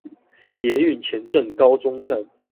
捷運前鎮高中站